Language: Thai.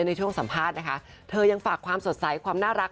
ในช่วงสัมภาษณ์นะคะเธอยังฝากความสดใสความน่ารัก